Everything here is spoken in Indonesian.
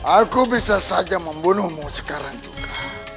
aku bisa saja membunuhmu sekarang juga